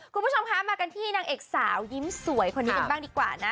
คุณผู้ชมคะมากันที่นางเอกสาวยิ้มสวยคนนี้กันบ้างดีกว่านะ